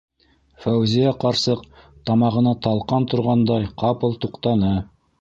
- Фәүзиә ҡарсыҡ, тамағына талҡан торғандай, ҡапыл туҡтаны.